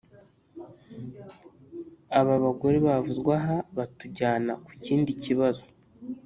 aba bagore bavuzwe aha batujyana ku kindi kibazo.